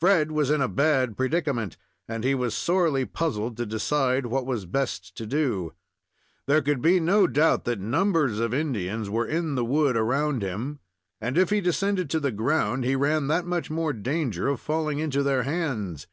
Fred was in a bad predicament, and he was sorely puzzled to decide what was best to do. There could be no doubt that numbers of Indians were in the wood around him, and if he descended to the ground he ran that much more danger of falling into their hands.